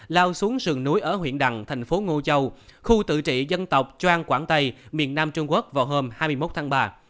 lao xuống sườn núi ở huyện đằng thành phố ngô châu khu tự trị dân tộc trang quảng tây miền nam trung quốc vào hôm hai mươi một tháng ba